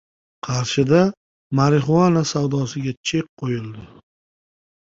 Qarshida "marixuana" savdosiga chek qo‘yildi